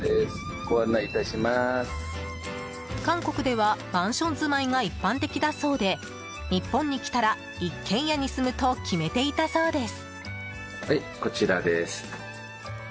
韓国ではマンション住まいが一般的だそうで日本に来たら一軒家に住むと決めていたそうです。